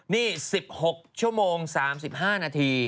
นี่๑๖ชั่วโมง๓๕นาที